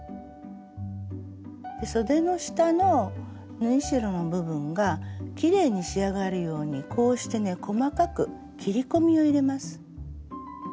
そでの下の縫い代の部分がきれいに仕上がるようにこうしてね細かく切り込みを入れます。